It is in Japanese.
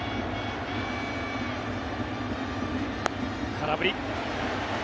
空振り。